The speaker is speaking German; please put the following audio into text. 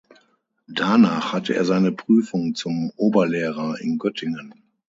Danach hatte er seine Prüfung zum Oberlehrer in Göttingen.